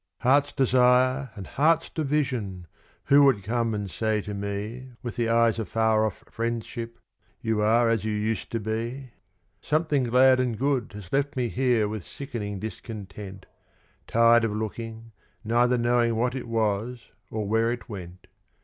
Heart's desire and heart's division! who would come and say to me, With the eyes of far off friendship, "You are as you used to be"? Something glad and good has left me here with sickening discontent, Tired of looking, neither knowing what it was or where it went.